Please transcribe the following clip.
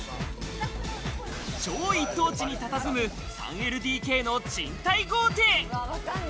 超一等地にたたずむ３ＬＤＫの賃貸豪邸。